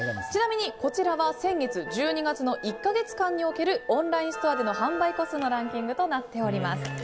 ちなみにこちらは先月１２月の１か月間におけるオンラインストアでの販売個数のランキングとなっております。